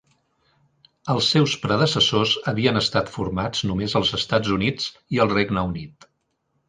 Els seus predecessors havien estat formats només als Estats Units i el Regne Unit.